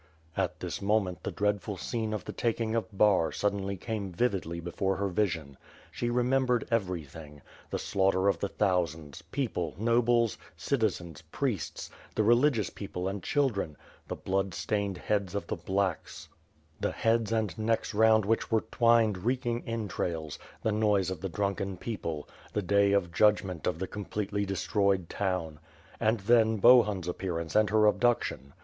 '' At this moment, the dreadful scene of the taking of Bar suddenly came vividly before her vision. She remembered everything. The slaughter of the thousands; people, nobles, citizens, priests, the religious people and children — the blood stained heads of the "blacks," the heads and necks round which were twined reeking entrails, the noise of the drunken people; the day of judgment of the completely destroyed town — ^and then, Bohun's appearance and her abduction.